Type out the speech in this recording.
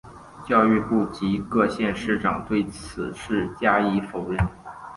教育部及各县市长对此事加以否认。